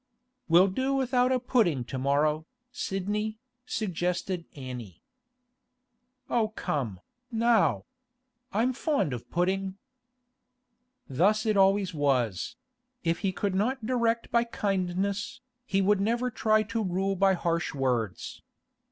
'We'll do without a pudding to morrow, Sidney,' suggested Annie. 'Oh come, now! I'm fond of pudding.' Thus it was always; if he could not direct by kindness, he would never try to rule by harsh words.